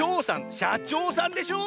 「しゃちょうさん」でしょ！